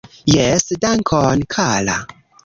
Jes, dankon kara